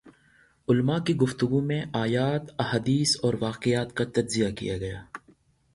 علماء کی گفتگو میں آیات ، احادیث اور واقعات کا تجزیہ کیا گیا